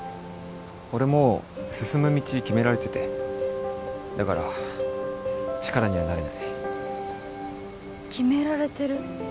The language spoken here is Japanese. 俺もう進む道決められててだから力にはなれない決められてる？